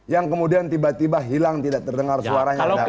yang kemudian tiba tiba hilang tidak terdengar suaranya ada